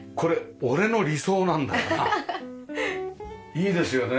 いいですよね。